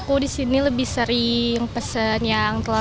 aku disini lebih sering pesan pesan yang lebih enak dan enak lebih enak